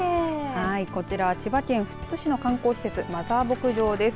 こちらは千葉県富津市の観光施設マザー牧場です。